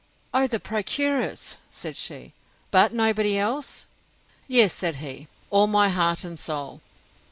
O the procuress! said she: But nobody else? Yes, said he, all my heart and soul!